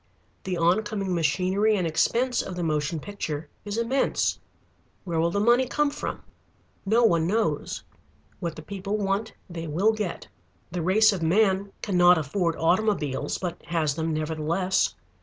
The oncoming machinery and expense of the motion picture is immense. Where will the money come from? No one knows. What the people want they will get. The race of man cannot afford automobiles, but has them nevertheless.